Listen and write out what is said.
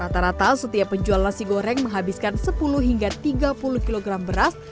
rata rata setiap penjual nasi goreng menghabiskan sepuluh hingga tiga puluh kg beras